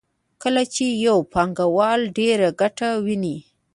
کله چې یو پانګوال ډېره ګټه وویني